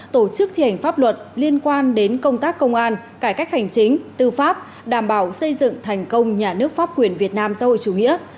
tổ chức thi hành pháp luật liên quan đến công tác công an cải cách hành chính tư pháp đảm bảo xây dựng thành công nhà nước pháp quyền việt nam xã hội chủ nghĩa